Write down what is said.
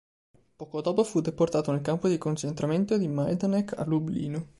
Poco dopo, fu deportato nel campo di concentramento di Majdanek a Lublino.